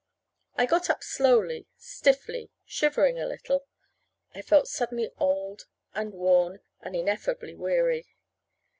I got up slowly, stiffly, shivering a little. I felt suddenly old and worn and ineffably weary.